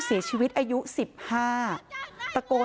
โชว์บ้านในพื้นที่เขารู้สึกยังไงกับเรื่องที่เกิดขึ้น